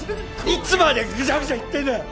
いつまでぐちゃぐちゃ言ってんだよ！